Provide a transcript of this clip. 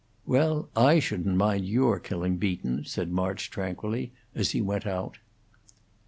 "Well, I shouldn't mind your killing Beaton," said March, tranquilly, as he went out.